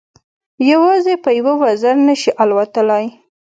یوازې په یوه وزر نه شي الوتلای.